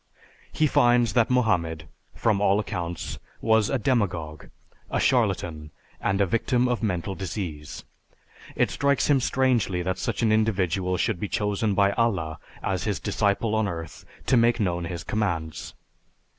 He finds that Mohammed, from all accounts, was a demagogue, a charlatan, and a victim of mental disease. It strikes him strangely that such an individual should be chosen by Allah as his disciple on earth to make known his commands.